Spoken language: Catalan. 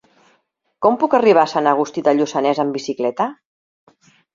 Com puc arribar a Sant Agustí de Lluçanès amb bicicleta?